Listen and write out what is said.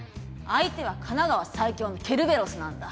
相手は神奈川最強のケルベロスなんだ。